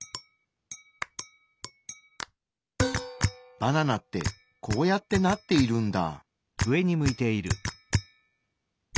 バナナってこうやってなっているんだ。